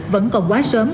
vẫn còn quá sớm